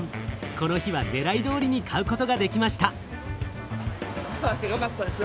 この日はねらいどおりに買うことができました。